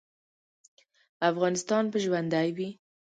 افغانستان به ژوندی وي؟